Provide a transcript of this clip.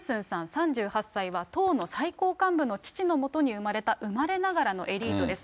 ３８歳は、党の最高幹部の父のもとに生まれた生まれながらのエリートです。